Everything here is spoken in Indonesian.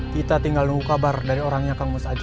kita tinggal nunggu kabar dari orangnya kang mus aja